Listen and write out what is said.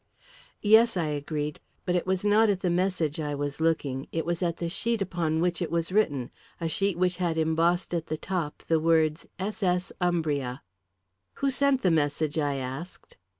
"Yes," I agreed; but it was not at the message I was looking; it was at the sheet upon which it was written a sheet which had embossed at the top the words "S. S. Umbria." "Who sent the message?" I asked.